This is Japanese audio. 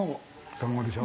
卵でしょ。